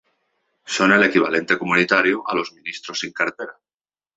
Son el equivalente comunitario a los ministros sin cartera.